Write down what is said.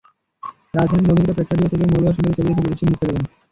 রাজধানীর মধুমিতা প্রেক্ষাগৃহ থেকে মহুয়া সুন্দরী ছবি দেখে বেরিয়েছেন মুক্তা বেগম।